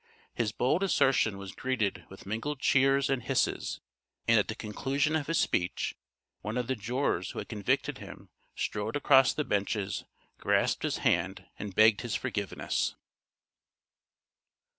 His bold assertion was greeted with mingled cheers and hisses, and at the conclusion of his speech one of the jurors who had convicted him strode across the benches, grasped his hand, and begged his forgivenness.